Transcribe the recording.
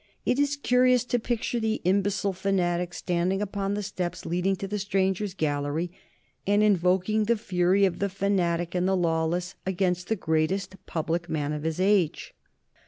It is curious to picture the imbecile fanatic standing upon the steps leading to the Strangers' Gallery and invoking the fury of the fanatic and the lawless against the greatest public man of his age.